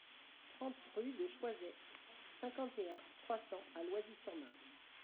trente rue de Choiset, cinquante et un, trois cents à Loisy-sur-Marne